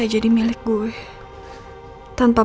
dan pas kemaren saja gue tak tahu